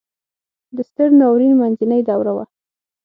د ستر ناورین منځنۍ دوره وه.